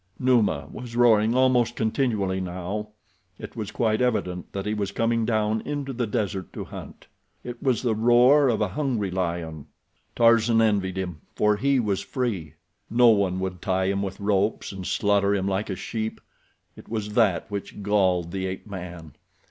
Numa was roaring almost continually now. It was quite evident that he was coming down into the desert to hunt. It was the roar of a hungry lion. Tarzan envied him, for he was free. No one would tie him with ropes and slaughter him like a sheep. It was that which galled the ape man.